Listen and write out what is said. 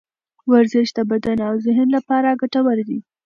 ورزش د بدن او ذهن لپاره ګټور دی.